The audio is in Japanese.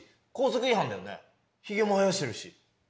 ヒゲも生やしてるし。